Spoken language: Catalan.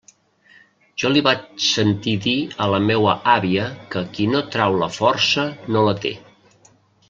Jo li vaig sentir dir a la meua àvia que qui no trau la força no la té.